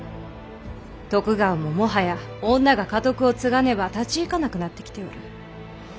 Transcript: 徳川ももはや女が家督を継がねば立ち行かなくなってきておる。